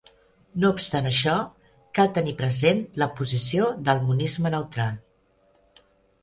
No obstant això, cal tenir present la posició del monisme neutral.